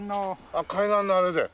ああ海岸のあれで。